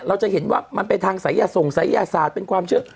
เราจะเห็นว่ามันเป็นทางศัยส่งศัยยศาสตร์เป็นความเชื่อ